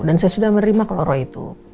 dan saya sudah menerima kalau roy itu